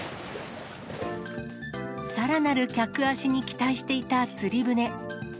さらなる客足に期待していた釣り船。